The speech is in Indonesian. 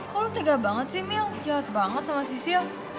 kok lo tega banget sih mil jahat banget sama sisil